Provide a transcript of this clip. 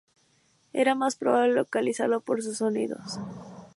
Era más probable localizarlo por sus sonidos.